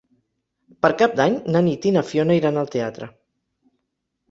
Per Cap d'Any na Nit i na Fiona iran al teatre.